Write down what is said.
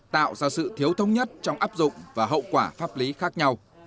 tạo ra sự thiếu thống nhất trong áp dụng và hậu quả pháp lý khác nhau